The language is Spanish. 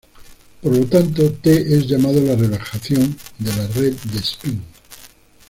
Por lo tanto, T es llamado la relajación de la "red de spin".